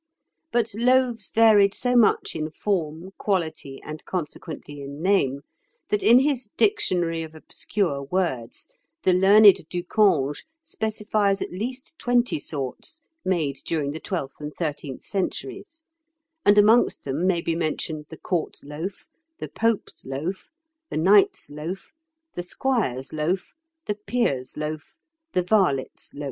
But loaves varied so much in form, quality, and consequently in name, that in his "Dictionary of Obscure Words" the learned Du Cange specifies at least twenty sorts made during the twelfth and thirteenth centuries, and amongst them may be mentioned the court loaf, the pope's loaf, the knight's loaf, the squire's loaf, the peer's loaf, the varlet's loaf, &c.